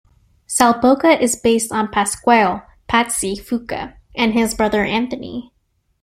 Sal Boca is based on Pasquale "Patsy" Fuca, and his brother Anthony.